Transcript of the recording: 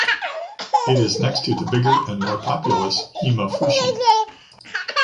It is next to the bigger and more populous Himmafushi.